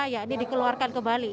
ya ini dikeluarkan kembali